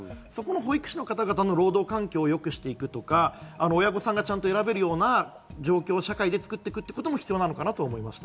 保育士の方の労働環境をよくしていくとか、親御さんがちゃんと選べるような状況を社会で作っていくことも大事なのかなと思いました。